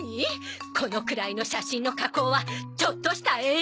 このくらいの写真の加工はちょっとした演出よ。